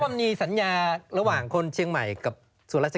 หรือก็เอาแบบเขาขอบไว้